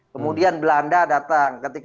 kemudian belanda datang